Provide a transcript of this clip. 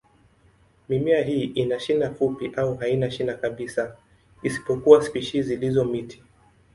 Mimea hii ina shina fupi au haina shina kabisa, isipokuwa spishi zilizo miti.